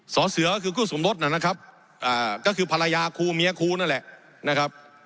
อเสือก็คือคู่สมรสนะครับก็คือภรรยาครูเมียครูนั่นแหละนะครับ